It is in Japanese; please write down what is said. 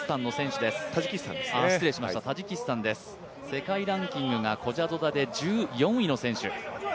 世界ランキングがコジャゾダで１４位の選手。